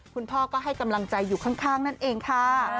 คุณพ่อก็ให้กำลังใจอยู่ข้างนั่นเองค่ะ